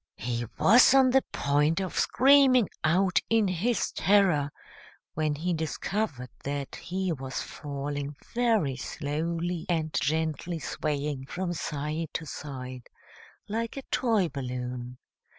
He was on the point of screaming out in his terror, when he discovered that he was falling very slowly and gently swaying from side to side, like a toy balloon.